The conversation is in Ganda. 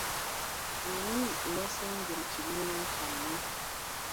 Ani eyasembye mu kibiina kyammwe?